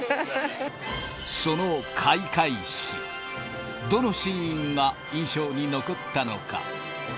その開会式、どのシーンが印象に残ったのか。